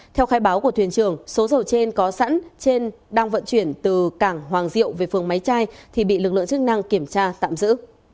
theo khai báo của thuyền trường số dầu trên có sẵn trên đang vận chuyển từ cảng hoàng diệu về phường máy trai thì bị lực lượng chức năng kiểm tra tạm giữ